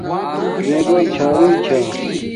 میے گھور چھاروݵ چھا